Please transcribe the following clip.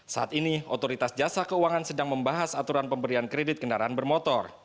saat ini otoritas jasa keuangan sedang membahas aturan pemberian kredit kendaraan bermotor